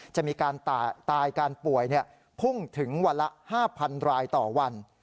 จะมีการตายการป่วยพุ่งถึงวันละ๕๐๐๐รายต่อวัน